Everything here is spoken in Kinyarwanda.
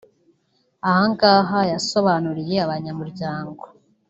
Ahangaha yasobanuriye abanyamuryango